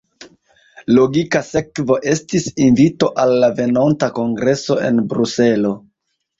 Logika sekvo estis invito al la venonta kongreso en Bruselo.